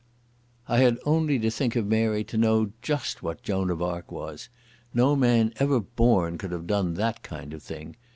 I had only to think of Mary to know just what Joan of Arc was. No man ever born could have done that kind of thing.